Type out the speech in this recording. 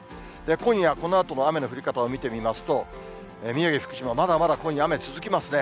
今夜、このあとの雨の降り方を見てみますと、宮城、福島、まだまだ今夜、雨続きますね。